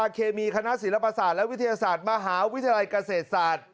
แล้วก็อีกสมัครก็ยังคงมาแล้ว